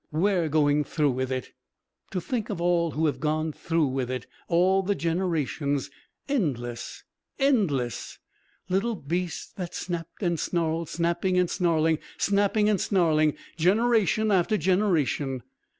"We're going through with it. To think of all who have gone through with it: all the generations endless endless. Little beasts that snapped and snarled, snapping and snarling, snapping and snarling, generation after generation."